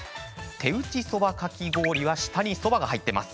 手打ちそばかき氷は下にそばが入っています。